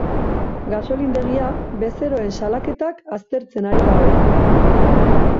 Gasolindegia bezeroen salaketak aztertzen ari da orain.